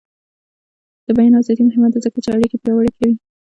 د بیان ازادي مهمه ده ځکه چې اړیکې پیاوړې کوي.